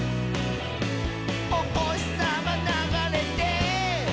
「おほしさまながれて」